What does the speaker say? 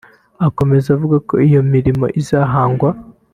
Akomeza avuga ko iyo mirimo izahangwa